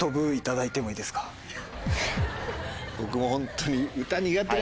僕もホントに。